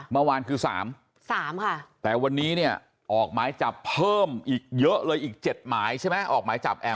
เมื่อวานคือ๓๓ค่ะแต่วันนี้เนี่ยออกหมายจับเพิ่มอีกเยอะเลยอีก๗หมายใช่ไหมออกหมายจับแอม